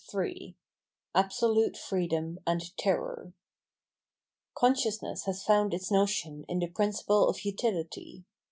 Ill Absolute Freedom and Terror* Consciousness lias found its notion in the principle of utility.